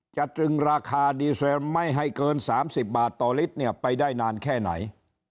ตรึงราคาดีเซลไม่ให้เกิน๓๐บาทต่อลิตรเนี่ยไปได้นานแค่ไหน